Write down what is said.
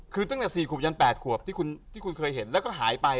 คือตั้งแต่๔ขวบยัน๘ขวบที่คุณเคยเห็นแล้วก็หายไป